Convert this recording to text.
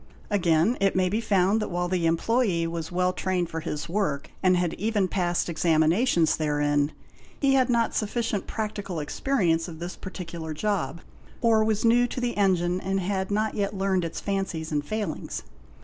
Again it may be found that while the employé was well trained for his work and had even passed examinations therein, he had not sufficient practical experience of this particular job, or was new to the engine and had not get learned its fancies and failings.